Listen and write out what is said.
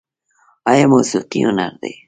آیا موسیقي هنر دی؟